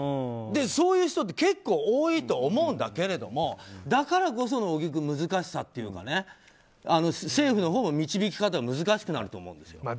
そういう人って結構多いと思うんだけれどもだからこその小木君難しさってのも政府のほうも導き方が難しくなると思うんですよ。